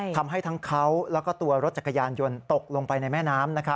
ทำให้ทั้งเขาแล้วก็ตัวรถจักรยานยนต์ตกลงไปในแม่น้ำ